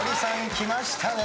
きましたね。